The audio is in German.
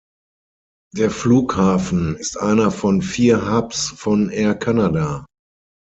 Der Flughafen ist einer von vier Hubs von Air Canada.